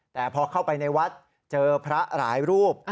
แต่พอเข้าไปในวัดเจอพระหลายรูป